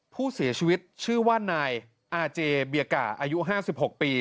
ผู้เสียชีวิตชื่อว่านายอาเจเบียก่าอายุ๕๖ปี